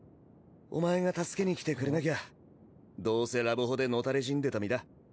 お前が助けに来てくれなきゃどうせラブホでのたれ死んでた身だ。